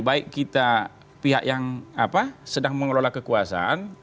baik kita pihak yang sedang mengelola kekuasaan